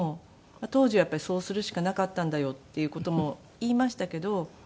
「当時はそうするしかなかったんだよ」っていう事も言いましたけど。